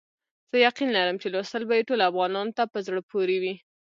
زه یقین لرم چې لوستل به یې ټولو افغانانو ته په زړه پوري وي.